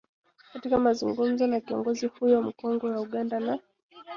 katika mazungumzo na kiongozi huyo mkongwe wa Uganda na